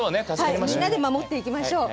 みんなで守っていきましょう。